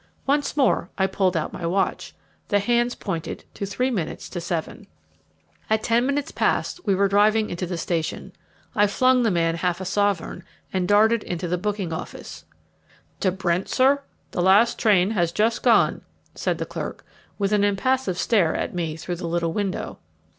Once more I pulled out my watch; the hands pointed to three minutes to seven. At ten minutes past we were driving into the station. I flung the man half a sovereign, and darted into the booking office. "To Brent, sir? The last train has just gone," said the clerk, with an impassive stare at me through the little window.